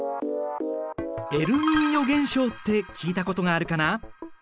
エルニーニョ現象って聞いたことがあるかな？